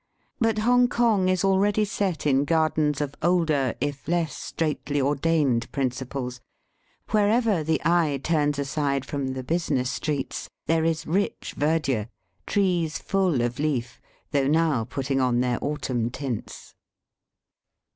But Hongkong is already set in gardens of older, if less straitly ordained prin ciples. Wherever the eye turns aside from the business streets, there is rich verdure — ^trees full of leaf, though now putting on their autumn tints.